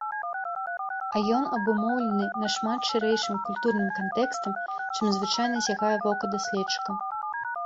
А ён абумоўлены нашмат шырэйшым культурным кантэкстам, чым звычайна сягае вока даследчыка.